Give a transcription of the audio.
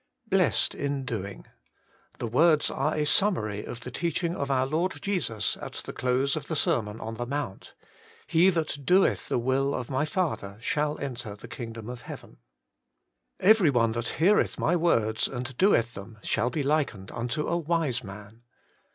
Blessed in doing. — The words are a sum mary of the teaching of our Lord Jesus at the close of the Sermon on the Mount :' He that doeth the will of My Father shall enter the kingdom of heaven.' ' Every one that heareth My words, and doeth them, shall be likened unto a wise man.'